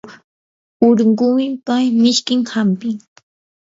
urunquypa mishkin hampim.